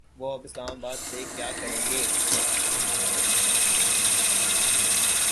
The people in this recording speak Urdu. وہ اب اسلام آباد سے کیا کریں گے۔